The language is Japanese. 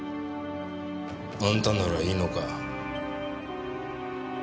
あんたならいいのか？